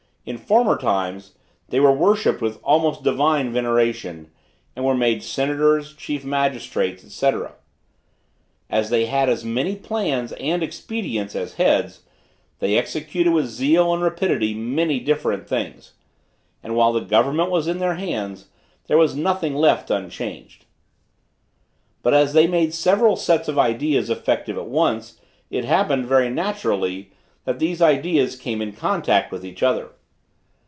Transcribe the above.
In former times, they were worshiped with almost divine veneration, and were made senators, chief magistrates, &c. As they had as many plans and expedients as heads, they executed with zeal and rapidity many different things, and while the government was in their hands, there was nothing left unchanged. But as they made several sets of ideas effective at once, it happened, very naturally, that these ideas came in contact with each other.